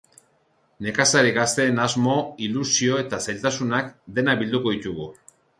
Nekazari gazteen asmo, ilusio, eta zailtasunak, denak bilduko ditugu.